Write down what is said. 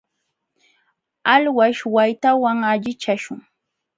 Alwish waytawan allichashun.